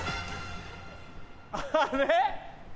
あれ？